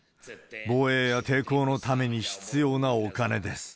防衛や抵抗のために必要なお金です。